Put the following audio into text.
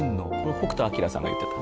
北斗晶さん言ってた？